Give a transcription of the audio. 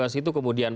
ke situ kemudian